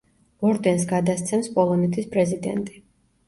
ორდენს გადასცემს პოლონეთის პრეზიდენტი.